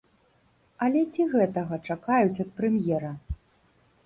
Але ці гэтага чакаюць ад прэм'ера?